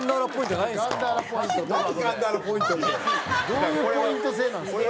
どういうポイント制なんですか？